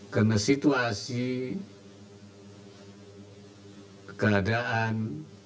karena situasi keadaan